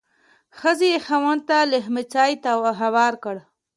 ښځې یې خاوند ته لیهمڅی هوار کړ.